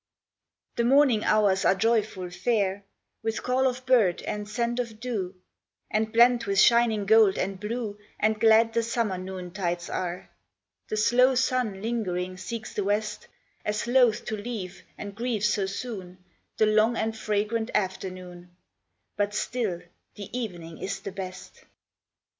HE morning hours are joyful fair, With call of bird and scent of dew ; And blent with shining gold and blue And glad the summer noontides are ; The slow sun lingering seeks the west, As loath to leave and grieve so soon The long and fragrant afternoon ; But still the evening is the best.